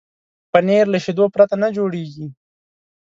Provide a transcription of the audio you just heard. پنېر له شيدو پرته نه جوړېږي.